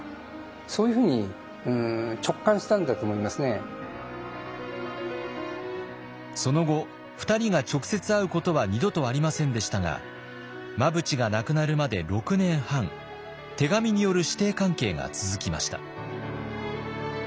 私は恐らく恐らく真淵はその後２人が直接会うことは二度とありませんでしたが真淵が亡くなるまで６年半手紙による師弟関係が続きました。